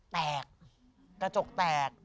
แตกกระจกแตก